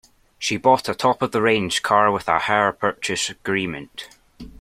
She bought a top-of-the-range car with a hire purchase agreement